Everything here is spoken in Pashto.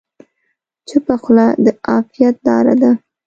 چپه خوله، د عافیت لاره ده.